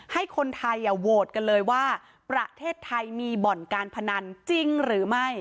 ให้คนไทยโหวตกันเลยว่าประเทศไทยมีบ่อนการพนันจริงหรือไม่